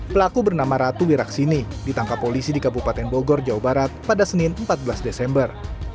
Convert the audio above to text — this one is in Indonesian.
pelaku bernama ratu wiraksini ditangkap polisi di kabupaten bogor jawa barat pada senin empat belas desember